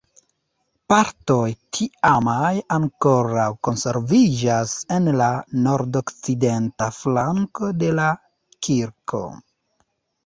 Partoj tiamaj ankoraŭ konserviĝas en la nordokcidenta flanko de la kirko.